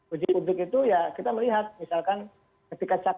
uji publik itu ya kita melihat misalkan ketika cak